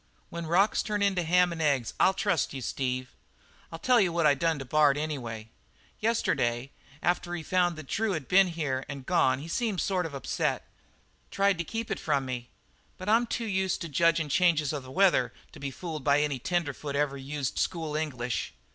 "When rocks turn into ham and eggs I'll trust you, Steve. I'll tell you what I done to Bard, anyway. Yesterday, after he found that Drew had been here and gone he seemed sort of upset; tried to keep it from me, but I'm too much used to judgin' changes of weather to be fooled by any tenderfoot that ever used school English.